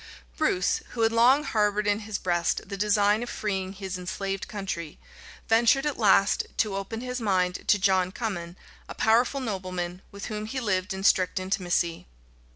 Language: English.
Bruce, who had long harbored in his breast the design of freeing his enslaved country, ventured at last to open his mind to John Cummin, a powerful nobleman, with whom he lived in strict intimacy.